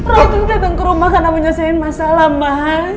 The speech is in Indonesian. roy itu datang ke rumah karena menyelesaikan masalah mas